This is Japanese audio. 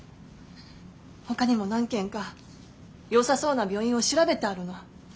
ほかにも何軒かよさそうな病院を調べてあるの。